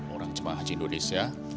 orang jemaah haji indonesia